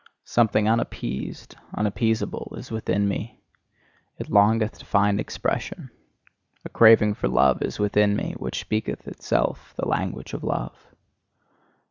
Something unappeased, unappeasable, is within me; it longeth to find expression. A craving for love is within me, which speaketh itself the language of love.